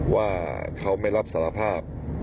ว่าเขาไม่รับสารภาพ